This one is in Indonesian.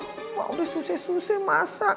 emang udah susah susah masak